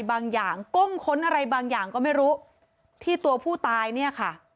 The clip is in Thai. บางอย่างก้มค้นอะไรบางอย่างก็ไม่รู้ที่ตัวผู้ตายเนี่ยค่ะ